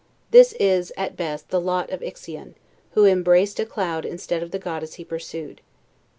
This is, at best, the lot of Ixion, who embraced a cloud instead of the goddess he pursued.